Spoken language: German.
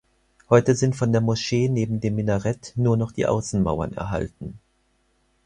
Heute sind von der Moschee neben dem Minarett nur noch die Außenmauern erhalten.